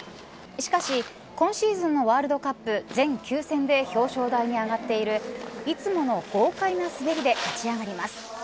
しかし今シーズンのワールドカップ全９戦で表彰台に上がっているいつもの豪快な滑りで勝ち上がります。